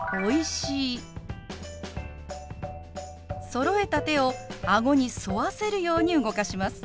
そろえた手を顎に沿わせるように動かします。